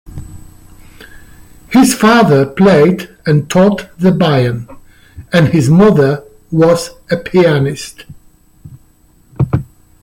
His father played and taught the bayan, and his mother was a pianist.